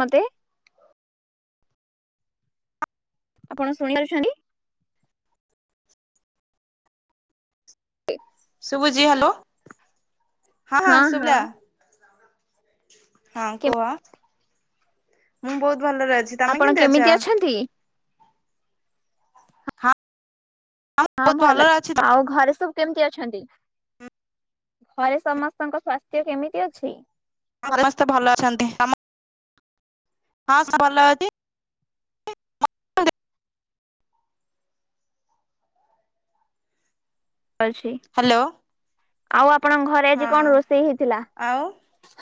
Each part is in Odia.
ମତେ। ଆପଣ ଶୁଣି ପାରୁଛନ୍ତି? ଶୁଭୁଛି ହାଲୋ ହଁ ହଁ ଶୁଭିଲା। ହଁ କୁହ ମୁଁ ବହୁତ ଭଲରେ ଅଛି। ତମେ ଆପଣ କେମିତି ଅଛ? ଅଛନ୍ତି? ହଁ ମୁଁ ହଁ ବହୁତ ଭଲ ଭଲରେ ଅଛି ଆଉ ଘରେ ସବୁ? କେମିତି ଅଛନ୍ତି ଘରେ ସମସ୍ତଙ୍କ ସ୍ୱାସ୍ଥ୍ୟ କେମିତି ଅଛି? ସମସ୍ତେ ଭଲ ଅଛନ୍ତି ତମ ହଁ ସ ଭଲ ଅଛି। ଅଛି ହ୍ୟାଲୋ ଆଉ ଆପଣଙ୍କ ଘରେ ଆଜି ହଁ କଣ ରୋଷେଇ ହେଇଥିଲା ଆଉ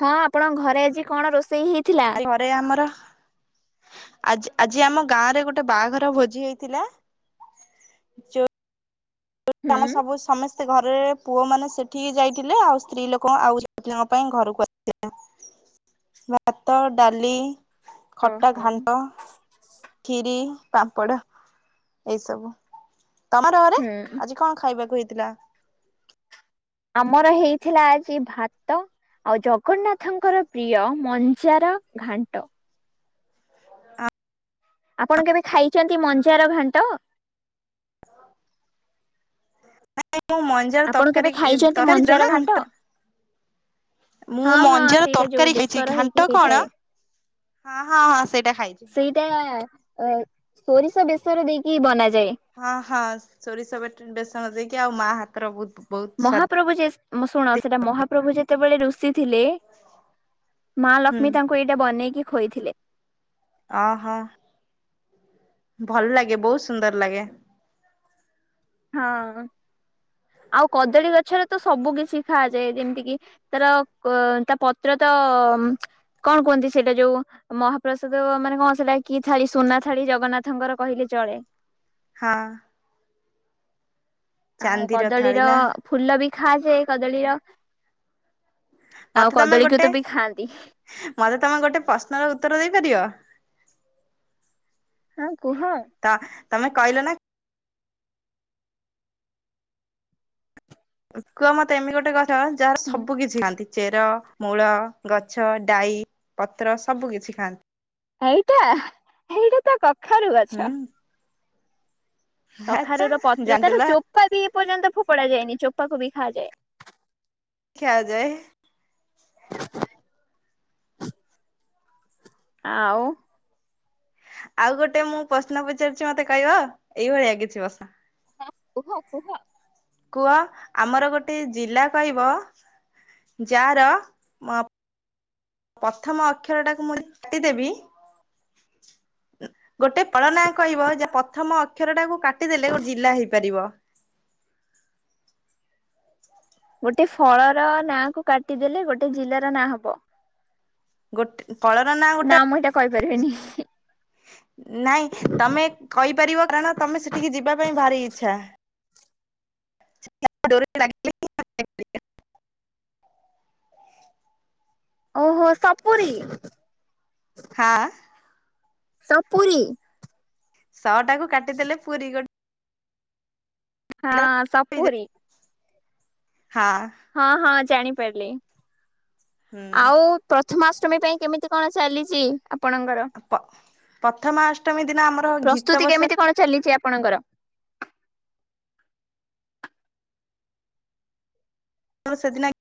ହଁ? ଆପଣଙ୍କ ଘରେ ଆଜି କଣ ରୋଷେଇ ହେଇ ଆ ଘରେ ଆମର ଆଜି ଆଜି ଆମ ଗାଁ ରେ ଗୋଟେ ବାହାଘର ଭୋଜି ହେଇଥିଲା ଯଉ ଆମେ ହୁଁ ସବୁ ସମ ସେ ଘରେରେ ପୁଅ ମାନେ ସେଠିକି ଯାଇଥିଲେ ଆଉ ସ୍ତ୍ରୀ ଲୋକ ଆଉ ଝିଅ ପିଲାଙ୍କ ପାଇଁ ଘରକୁ ଆସିଥିଲା। ଭାତ ଡାଲି ଖଟା ଓହୋ ଘାଣ୍ଟ କ୍ଷୀରି। ପାମ୍ପଡ଼ ଏଇ ସବୁ। ତମର ଘରେ ହୁଁ ଆଜି କଣ ଖାଇବାକୁ ହେଇଥିଲା? ଆମର ହେଇଥିଲା ଆଜି ଭାତ। ଆଉ ଜଗନ୍ନାଥଙ୍କର ପ୍ରିୟ ମଞ୍ଜାର ଘାଣ୍ଟ। ଆପଣ କେବେ ଖାଇଛନ୍ତି ମଞ୍ଜାର ଘାଣ୍ଟ? ଏ ମୁଁ ମଞ୍ଜାର ଆପଣ କେବେ ତରକାରୀ ଇବ ଖାଇଛନ୍ତି ତରକାରୀ ମଞ୍ଜାର ନା ଘାଣ୍ଟ? ମୁଁ ହଁ ହଁ ମଞ୍ଜାର ସେଇଟା ଯୋଉ ତରକାରୀ ଖାଇଛି ବେସର ହେଇକି ଘାଣ୍ଟ ହେଇଥାଏ। କଣ? ହଁ ହଁ ହଁ ସେଇଟା ଖାଇଛି ହଁ। ସେଇଟା ଅ ସୋରିଷ ବେସର ଦେଇକି ବନା ହଁ ହଁ ସୋରିଷ ବଟା ବେସନ ଦେଇକି ଆଉ ମା ହାତର ବହୁତ ବହୁତ ସ୍ଵାଦ ମହାପ୍ରଭୁ ଯେ ଉମ ଶୁଣ ସେଟା ମହାପ୍ରଭୁ ଯେତେବେଳେ ଋଷି ଥିଲେ ମା ହୁଁ ଲକ୍ଷ୍ମୀ ତାଙ୍କୁ ଏଇଟା ବନେଇକି ଖୋଇଥିଲେ। ଓହୋ ଭଲ ଲାଗେ ବହୁତ ସୁନ୍ଦର ଲାଗେ। ହଁ। ଆଉ କଦଳୀ ଗଛରେ ତ ସବୁ କିଛି ଖାଆଯାଏ ଯେମିତି କିି ତାର କ ତା ପତ୍ର ତ ତ ଉଁ କଣ କୁହନ୍ତି ସେଇଟା ଯୋଉ ମହାପ୍ରସାଦ ମାନେ କଣ ସେଇଟା କି ଥାଳି ସୁନା ଥାଳି। ଜଗନ୍ନାଥଙ୍କର କହିଲେ ଚଳେ। ହଁ। ଆଉ ଚାନ୍ଦିର ଥାଳି କଦଳୀର ନା ଫୁଲ ବି ଖାଯାଏ କଦଳୀର। ଆଉ ମତେ ତମେ କଦଳୀକୁ ଗୋଟେ ତ ବି ଖାଆନ୍ତି। ମତେ ତମେ ଗୋଟେ ପ୍ରଶ୍ନର ଉତ୍ତର ଦେଇପାରିବ? ହଁ କୁହ। ତ ତମେ କହିଲ ନା? କୁହ ମତେ ଏମିତି ଗୋଟେ ଗଛ ଯାହାର ସବୁ କିଛି ଖାଆନ୍ତି ଚେର। ମୂଳ ଗଛ ଡାଈ ପତ୍ର ସବୁ କିଛି ଖାଆ ଏଇଟା ଏଇଟା ତ କଖାରୁ ଗଛ। ହୁଁ ଆଚ୍ଛା କଖାରୁୁର ପତ୍ର ତାର ଜାଣିଦେଲ ଚୋପା ବି ଏ ପର୍ଯ୍ୟନ୍ତ ଫୋପଡା ଯାଇନି। ଚୋପା କୁ ବି ଖାଆଯାଏ। ଖିଆ ଯାଏ। ଆଉ। ଆଉ ଗୋଟେ ମୁଁ ପ୍ରଶ୍ନ ପଚାରୁଛି ମତେ କହିବ ଏଇଭଳିଆ କିଛି ପ୍ରଶ୍ନ? ହଁ କୁହ କୁହ। କୁହ ଆମର ଗୋଟେ ଜିଲ୍ଲା କହିବ? ଯାହାର ମ ପ୍ରଥମ ଅକ୍ଷରଟାକୁ ମୁଁ ଯଦି କାଟି ଦେବି। ଗୋଟେ ପଳନା କହିବ, ଯେ ପ୍ରଥମ ଅକ୍ଷର ଟାକୁ କାଟି କାଟି ଦେଲେ ଗୋଟେ ଜିଲ୍ଲା ହେଇପାରିବ। ଗୋଟେ ଫଳର ନାଁ କୁ କାଟିଦେଲେ, ଗୋଟେ ଜିଲ୍ଲାର ନାଁ ହବ। ଗୋଟେ, କଳର ନାଁ ଗୋଟେ ନା ମୁଁ ଏଇଟା କହିପାରିବିନି ନାଇଁ ତମେ କହିପାରିବ, କାରଣ ତମେ ସେଠିକି ଯିବା ପାଇଁ ଭାରି ଇଚ୍ଛା। [inaudible] ଓହୋ, ସପୁରୀ। ହଁ। ସପୁରୀ। ଶ ଟାକୁ କାଟିଦେଲେ, ପୁରୀ ଗ ହଁ, ଗୋଟେ ସପୁରି। ହେଇଯାଏ ହଁ, ହଁ ଜାଣିପାରିଲି। ଆଉ ହଁ ପ୍ରଥମା ଅଷ୍ଟମୀ ପାଇଁ, କେମିତି କଣ ଚାଲିଛି? ଆପଣଙ୍କର, ହୁଁ ପ୍ରଥମାଷ୍ଟମୀ ଦିନ ଆମର ଘିତ ପ୍ରସ୍ତୁତି ବସା କେମିତି କଣ ଚାଲିଛି? ଆପଣଙ୍କର। ତ ସେଦିନାକୀ,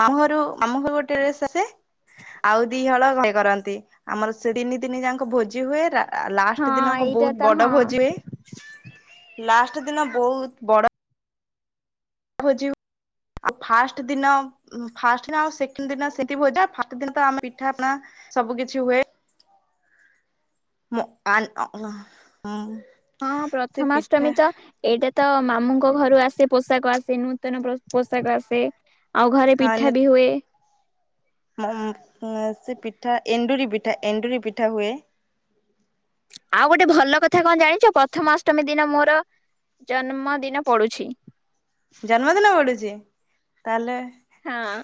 ମାମୁଘରୁ, ମାମୁଘରୁ ଗୋଟେ ଡ୍ରେସ୍ ଆସେ ଆଉ ଦିହଳ, ଭାଇ କରନ୍ତି। ଆମର ସେ ତିନି ଦିନି ଯାକ, ଭୋଜି ହୁଏ। ଆ, ହଁ ଲାଷ୍ଟ ଦିନ କ, ଏଇଟା ତ ବହୁତ ବଡ ହଁ ଭୋଜି ହୁଏ। ଲାଷ୍ଟ ଦିନ ବହୁତ, ବଡ଼ ଭୋଜି ହୁ ଆଉ ଫାଷ୍ଟ ଦିନ, ଫାଷ୍ଟ ଦିନ ସେକଣ୍ଡ ଦିନ ସେଠି ଭୋଜି ହୁଏ। ଆଉ ଫାଷ୍ଟ୍ ଦିନ ତ ଆମେ ପିଠା ପଣା ସବୁ କିଛି ହୁଏ। ମୁ -ଆ-ନ -ହଁ ହଁ ପ୍ରଥମାଷ୍ଟମୀ ତ ଏଇଟା ତ, ମାମୁଙ୍କ ଘରୁ ଆସେ। ପୋଷାକ ଆସେ। ନୂତନ ପୋଷାକ ଆସେ। ଆଉ ଘରେ ପିଠା ବି ହୁଏ। ମୋ, ମୋ-ସେ ପିଠା ଏଣ୍ଡୁରି ପିଠା, ଏଣ୍ଡୁରି ପିଠା ହୁଏ। ଆଉ ଗୋଟେ ଭଲ କଥା କଣ, ଜାଣିଛ? ପ୍ରଥମା ଅଷ୍ଟମୀ ଦିନ ମୋର ଜନ୍ମଦିନ ପଡ଼ୁଛି। ଜନ୍ମଦିନ ପଡ଼ୁଛି? ତାହେଲେ ହଁ।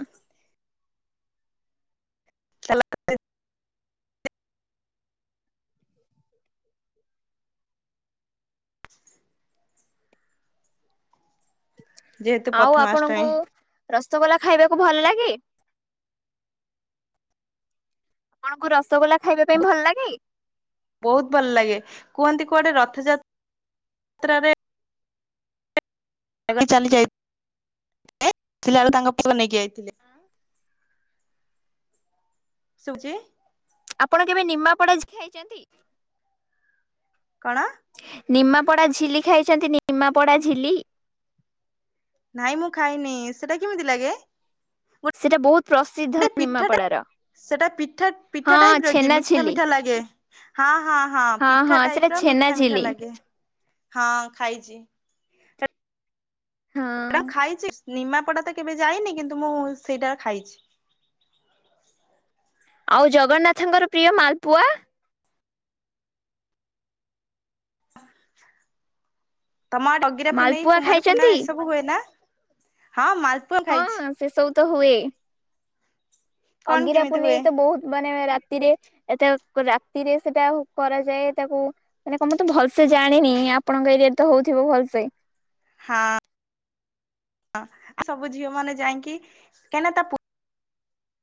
ଚାଲ ଯେହେତୁ ଆଉ ପ୍ରଥମାଷ୍ଟମୀ ଆପଣଙ୍କୁ, ରସଗୋଲା ଖାଇବାକୁ ଭଲ ଲାଗେ? ଆପଣଙ୍କୁ ରସଗୋଲା ଖାଇବା ପାଇଁ ଭଲ ଲାଗେ? ବହୁତ ଭଲ ଲାଗେ କୁହନ୍ତି କୁଆଡ଼େ ରଥଯାତ୍ରାରେ ଏବେ ଚାଲି ଯାଇଥିଲେ ବେଳେ ତାଙ୍କ ପୁଅ ନେଇକି ଆଇଥିଲେ। ଶୁଭୁଛି? ଆପଣ କେବେ ନିମାପଡା ଝିଲି ଖାଇଛନ୍ତି? କଣ? ନିମାପୋଡା ଝିଲି ଖାଇଛନ୍ତି? ନିମାପଡା ଝିଲି? ନାଇଁ ମୁଁ ଖାଇନି। ସେଟା କେମିତି ଲାଗେ? ସେଟା ବହୁତ ଗୋଟେ ପ୍ରସିଦ୍ଧ ପିଠାଟା ନିମାପଡାର। ସେଟା ପିଠା, ହଁ ପିଠା ଟାଇପ ର କି? ଛେନା ମିଠା, ଝିଲି। ମିଠା ଲାଗେ। ହଁ, ହଁ, ହଁ ପିଠା ହଁ ସେଟା ଟାଇପ ର ଛେନା ମିଠା, ମିଠା ଝିଲି ଲାଗେ। ହଁ ଖାଇଛି। ହଁ। ସେଟା ଖାଇଛି। ନିମାପଟା ତ କେବେ ଯାଇନି, କିନ୍ତୁ ମୁଁ ସେଇଟା ଖାଇଛି। ଆଉ ଜଗନ୍ନାଥଙ୍କର, ପ୍ରିୟ ମାଲପୁଆ। ତମ ଡଗିରା ପୁନେଇ, ମାଲପୁଆ କୁମାର ଖାଇଛନ୍ତି? ପୁନେଇଁ, ଏସବୁ ହୁଏ ନା? ହଁ ମାଲ ହଁ, ହଁ ସେ ସବୁ ତ ହୁଏ। କଣ ଅଗିରା କେମିତି ପୁନେଇଁ ହୁଏ ତ ବହୁତ ମାନେ ରା ରାତିରେ ଏଟା ରାତିରେ ସେଟା କରାଯାଏ ତାକୁ ମାନେ କ ମୁଁ ତ ଭଲସେ ଜାଣିନି। ଆପଣଙ୍କ ଏରିଆରେ ତ ହଉଥିବ ଭଲ ସେ ହଁ। ହଁ ସବୁ ଝିଅ ମାନେ ଯାଇକି କାହିଁକି ନା ତା ପୁ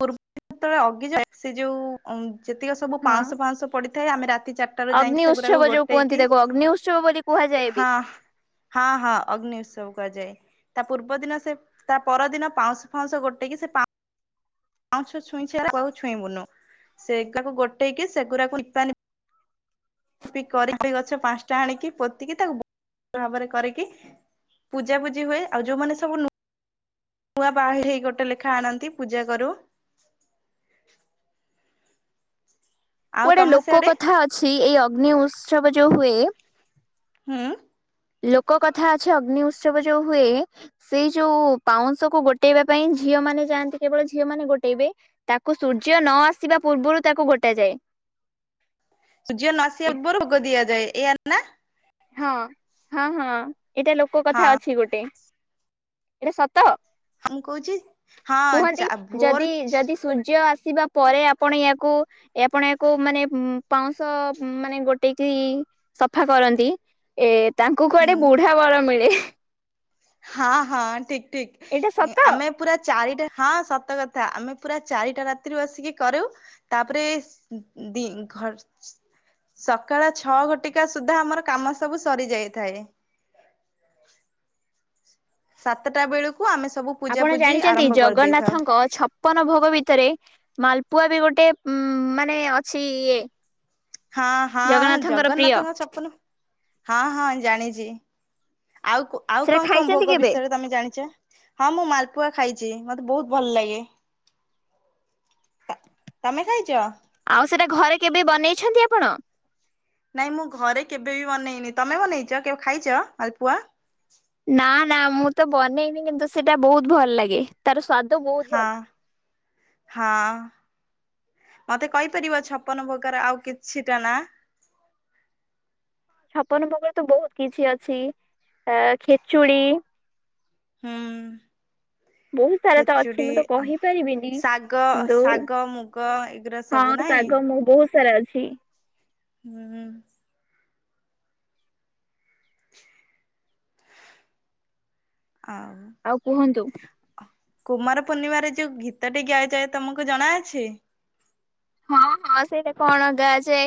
ପୂର୍ବ ରୁ ଯେତେବେଳେ ଅଗି ଜଳେ ସେ ଯୋଉ ଯେତିକି ସବୁ ହଁ। ପାଉଁଶ ଫାଉଁଶ ପଡିଥାଏ ଆମେ ରାତି ଚାରିଟା ରୁ ଅଗ୍ନି ଯାଇକି ସେଗୁଡାକୁ ଉତ୍ସବ ଯୋଉ କୁହନ୍ତି ଗୋଟେଇକି, ତାକୁ ଅଗ୍ନି ଉତ୍ସବ ବୋଲି କୁହାଯାଏ ବି। ହଁ। ହଁ ହଁ ଅଗ୍ନି ଉତ୍ସବ କରାଯାଏ। ତା ପୂର୍ବ ଦିନ ସେ ତା ପରଦିନ ପାଉଁଶ ଫାଉଁଶ ଗୋଟେକି ସେ ପା ପାଉଁଶ ଛୁଇଁକି ଆଉ କାହାକୁ ଛୁଇଁବୁନି। ସେକାକୁ ଗୋଟେଇକି ସେଗୁରାକୁ [unintelligible] କରିକି ଗଛ ପାଞ୍ଚଟା ଆଣିକି ପୋତିକି ତାକୁ ଭ ଭଲ ଭାବରେ କରିକି ପୂଜା ପୁଜି ହୁଏ ଆଉ ଯୋଉମାନେ ସବୁ ନୁ ନୂଆ ବାହା ହେଇ ଗୋଟେ ଲେଖା ଆଣନ୍ତି ପୂଜା କରୁ। ଆଉ କୁଆଡେ ତମ ଲୋକ ସିଆଡେ କଥା ଅଛି ଏଇ ଅଗ୍ନି ଉତ୍ସବ ଯୋଉ ହୁଏ ହୁଁ। ଲୋକ କଥା ଅଛ ଅଗ୍ନି ଉତ୍ସବ ଯୋଉ ହୁଏ, ସେଇ ଯୋଉ ପାଉଁଶ କୁ ଗୋଟେଇବା ପାଇଁ ଝିଅ ମାନେ ଯାଆନ୍ତି କେବଳ ଝିଅ ମାନ ଗୋଟେଇବେ। ତାକୁ ସୂର୍ଯ୍ୟ ନ ଆସିବା ପୂର୍ବରୁ ତାକୁ ଗୋଟ ଯାଏ। [inaudible] ସୂର୍ଯ୍ୟ ନଆସିବ ପୂର୍ବରୁ ଭୋଗ ଦିଆଯାଏ। ଏଇଆ ନା। ହଁ ହଁ ହଁ ଏଇଟା ଲୋକ କଥା ଅଛି ହଁ ଗୋଟେ। ଏଟା ସ ତ, ମୁଁ କହୁଛି ହଁ ଚା କୁହନ୍ତି ଭୋର ଯଦି ଯଦି ସୂର୍ଯ୍ୟ ଆସିବା ପରେ ଆପଣ ୟାକୁ ଆପଣ ୟାକୁ ମାନେ ପାଉଁଶ ମାନେ ଗୋଟେଇକି ସଫା କରନ୍ତି, ଏ ତାଙ୍କୁ ହୁଁ କୁଆଡେ ବୁଢା ବର ମିଳେ। ହଁ ହଁ ଠିକ୍ ଠିକ୍ ଏଇଟା ସତ? ଆମେ ପୁରା ଚାରିଟା ହଁ ସତ କଥା। ଆମେ ପୁରା ଚାରିଟା ରାତିରୁ ଆସିକି କରୁ। ତାପରେ ଦି। [unintelligible] ସକାଳ ଛଅ ଘଟିକା ସୁଦ୍ଧା ଆମର କାମ ସବୁ ସରି ଯାଇଥାଏ। [inaudible] ସାତଟା ବେଳୁକୁ ଆପଣ ଜାଣିଛନ୍ତି ଜଗନ୍ନାଥଙ୍କ ଛପନ ଭୋଗ ଭିତରେ ମାଲପୁଆ ବି ଗୋଟେ ଉ ମାନେ ଅଛି ଇଏ। ହଁ ହଁ ଜଗନ୍ନାଥଙ୍କର ପ୍ରିୟ ଜଗନ୍ନାଥଙ୍କ ଛପନ ହଁ ହଁ ଜାଣିଚି। ଆଉ ଆଉ ସେଟା କଣ କଣ ଖାଇଛନ୍ତି ଭୋଗ କେବେ ବିଷୟରେ ତମେ ଜାଣିଛ? ହଁ ମୁଁ ମାଲପୁଆ ଖାଇଚି। ମତେ ବହୁତ ଭଲ ଲାଗେ। ତମେ ଖାଇଚ? ଆଉ ସେଟା ଘରେ କେବେ ବନେଇଛନ୍ତି ଆପଣ? ନାଇଁ ମୁଁ ଘରେ କେବେ ବି ବନେଇନି। ତମେ ବନେଇଛ କେବେ ଖାଇଚ ମାାଲପୁଆ। ନା ନା ମୁଁ ତ ବନେଇନି କିନ୍ତୁ ସେଇଟା ବହୁତ ଭଲ ଲାଗେ। ତାର ସ୍ଵାଦ ବହୁତ ହଁ ଭଲ। ହଁ। ମତେ କହିପାରିବ ଛପନ ଭୋଗର ଆଉ କିଛିଟା ନା? [inaudible] ଛପନ ଭୋଗ ରେ ତ ବହୁତ କିଛି ଅଛି। ଆ ଖେଚୁଡି ହୁଁ। [inaudible] ବହୁତ ସାରା ତ ଅଛି। ଖେଚୁଡି ମୁଁ ତ କହିପାରିବିନି। ଶାଗ କିନ୍ତୁ ଶାଗ ମୁଗ ଏଗୁରା ସବୁ ହଁ ନାଇଁ ଆଗ ମୁଁ ବହୁତ ସାରା ଅଛି। ହୁଁ। ଆ ଆଉ କୁହନ୍ତୁ। କୁମାର ପୂର୍ଣ୍ଣିମାରେ ଯୋଉ ଗୀତଟି ଗା ଯାଏ ତମକୁ ଜଣାଅଛି। ହଁ। ହଁ ସେଇଟା କଣ ଅଗା ଯେ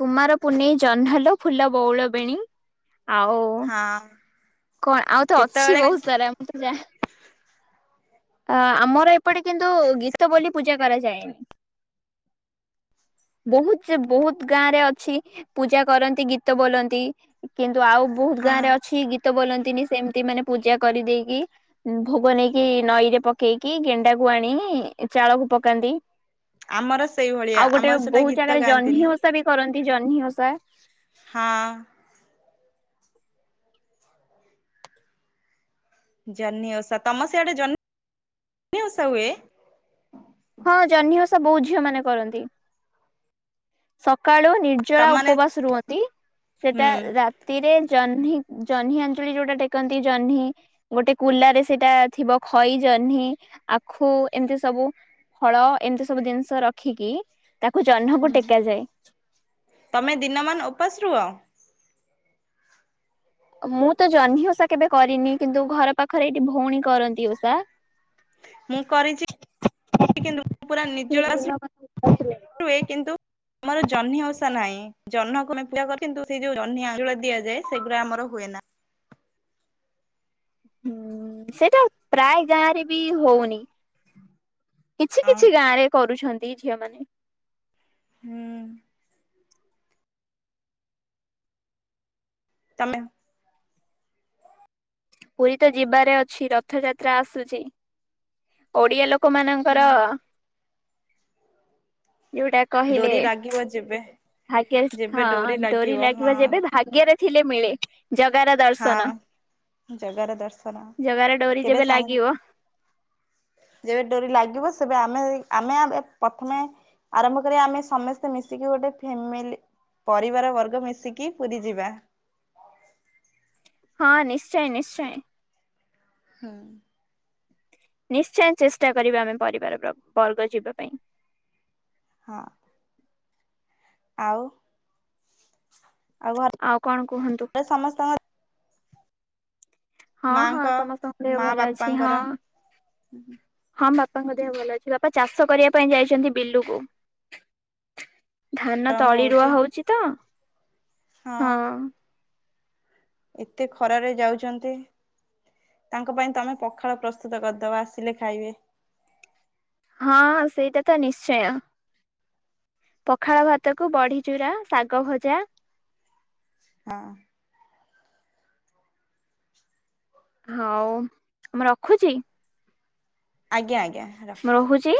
କୁମାର ପୁନେଇ ଜହ୍ନଲୋ ଫୁଲ ବଉଳ ବେଣୀ। ଆଉ ହଁ କଣ ଆଉ ତ ଅଛି କେତେବେଳେ ବହୁତ ସାରା। ମୁଁ ତ ଯା ଅ ଆମର ଏପଟେ କିନ୍ତୁ ଗୀତ ବୋଲି ପୂଜା କରାଯାଏନି। [inaudible] ବହୁତ ବହୁତ ଗାଁ ରେ ଅଛି ପୂଜା କରନ୍ତି ଗୀତ ବୋଲନ୍ତି। କିନ୍ତୁ ଆଉ ବହୁତ ଗାଁ ହଁ ରେ ଅଛି ଗୀତ ବୋଲନ୍ତି। ସେମତି ମାନେ ପୂଜା କରିଦେଇକି ଭୋଗ ନେଇକି ନଈରେ ପକେଇକି ଗେଣ୍ଡାକୁ ଆଣି ଚାଳକୁ ପକାନ୍ତି। ଆମର ସେଇଭଳିଆ ଆଉ ଗୋଟେ ଆମର ସେଟା ବହୁତ ଗୀତ ଜାଗାରେ ଗାଆନ୍ତିନି। ଜହ୍ନି ଓଷା ବି କରନ୍ତି ଜହ୍ନି ଓଷା। ହଁ। ଜହ୍ନି ଓଷା ତମ ସିଆଡେ ଜ ଜଷା ହୁଏ। ହଁ ଜହ୍ନି ଓଷା ବହୁତ ଝିଅ ମାନେ କରନ୍ତି। ସକାଳୁ ତମ ନିର୍ଜଳା ମାନେ ଉପବାସ ରୁହନ୍ତି। ହୁଁ ସେଟା ରାତିରେ ଜହ୍ନି ଜହ୍ନି ଆଞ୍ଜୁଳି ଯୋଉଟା ଟେକନ୍ତି। ଜହ୍ନି ଗୋଟେ କୁଲାରେ ସେଟା ଥିବ ଖଇ ଜହ୍ନି ଆଖୁ ଏମିତି ସବୁ ଫଳ ଏମିତି ସବୁ ଜିନିଷ ରଖିକି ତାକୁ ଜହ୍ନକୁ ହୁଁ ଟେକାଯାଏ। ତମେ ଦିନମାନ ଉପାସ ରୁହ। ମୁଁ ତ ଜହ୍ନି ଓଷା କେବେ କରିନି। କିନ୍ତୁ ଘର ପାଖରେ ଏଇଠି ଭଉଣୀ କରନ୍ତି ଓଷା। ମୁଁ କରିଛି। କିନ୍ତୁ ମୁଁ ପୁରା ନିର୍ଜଳ ଆସ ହୁଁ ହୁଏ କିନ୍ତୁ ଆମର ଜହ୍ନି ଓଷା ନାହିଁ। ଜହ୍ନକୁ ଆମେ ପୂଜା କରୁ କିନ୍ତୁ ସେଇ ଯୋଉ ଜହ୍ନି ଆଞ୍ଚୁଳି ଦିଆଯାଏ ସେଗୁଡା ଆମର ହୁଏ ନା। ହୁଁ ସେଟା ପ୍ରାୟ ଗାଁ ରେ ବି ହଉନି। କିଛି ହଁ କିଛି ଗାଁ ରେ କରୁଛନ୍ତି ଝିଅମାନେ। ହୁଁ। ତମେ ପୁରୀ ତ ଯିବାରେ ଅଛି ରଥଯାତ୍ରା ଆସୁଛି। ଓଡିଆ ଲୋକ ଲୋକ ମାନଙ୍କର ଯଉଟା କହିଲେ ଡୋରି ଲାଗିବ ଯେବେ ଭାଗ୍ୟରେ ଯେବେ ହଁ ଡୋରି ଲାଗିବ ଲାଗିବା ହଁ। ଯେବେ ଭାଗ୍ୟରେ ଥିଲେ ମିଳେ। ଜଗାର ଦର୍ଶନ। ହଁ ଜଗାର ଦର୍ଶନ। ଜଗାର ଡୋରି କେବେ ଯେବେ ସାଙ୍ଗ ଲାଗିବ ଯେବେ ଡୋରି ଲାଗିବ ସେ ଆମେ ଆମେ ପ୍ରଥମେ ଆରମ୍ଭ କରିବା। ଆମେ ସମସ୍ତେ ମିଶିକି ଗୋଟେ ଫ୍ୟାମିଲି ପରିବାର ବର୍ଗ ମିଶିକି ପୁରୀ ଯିବା। [inaudible] ହଁ ନିଶ୍ଚୟ ନିଶ୍ଚୟ। ହୁଁ। ନିଶ୍ଚୟ ଚେଷ୍ଟା କରିବା ଆମେ ପରିବାରର ବର୍ଗ ଯିବା ପାଇଁ। ହଁ। ଆଉ। ଆଉ କଣ କୁହନ୍ତୁ? ଘରେ ସମସ୍ତଙ୍କର ହଁ ହଁ ସମସ୍ତଙ୍କୁ ମା ଭଲ ଅଛି। ହଁ ବାପାଙ୍କର ହଁ ବା ବାପାଙ୍କ ଦେହ ଭଲ ଅଛି। ବାପା ଚାଷ କରିବା ପାଇଁ ଯାଇଛନ୍ତି ବିଲୁକୁ। ଧାନ ତଳି ରୁଆ ହଉଛି ତ। ହଁ। ଏତେ ଖରାରେ ଯାଉଛନ୍ତି। ତାଙ୍କ ପାଇଁ ତମେ ପଖାଳ ପ୍ରସ୍ତୁତ କରିଦବ। ଆସିଲେ ଖାଇବେ। ହଁ ସେଇଟା ତ ନିଶ୍ଚୟ। ପଖାଳ ଭାତକୁ ବଢି ଚୁରା ଶାଗ ଭଜା। ହଁ। ହଉ ମୁଁ ରଖୁଛି। ଆଜ୍ଞା ଆଜ୍ଞା ମୁଁ ରଖନ୍ତୁ ରହୁଛି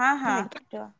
ହଁ ହଁ ଆଜ୍ଞା ରୁହ।